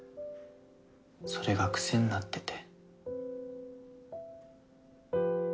それが癖になってて。